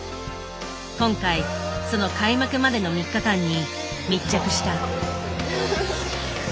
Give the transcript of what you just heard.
今回その開幕までの３日間に密着した。